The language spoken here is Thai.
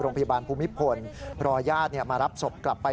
โรงพยาบาลภูมิพลรอญาติมารับศพกลับไป